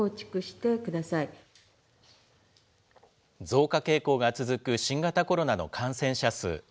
増加傾向が続く新型コロナの感染者数。